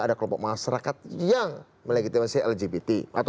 ada kelompok masyarakat yang melegitimasi lgbt